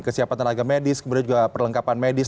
kesiapan tenaga medis kemudian juga perlengkapan medis